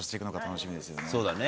そうだね。